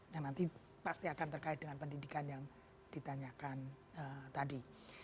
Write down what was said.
yang nanti pasti akan terkait dengan pendidikan yang ditanyakan tadi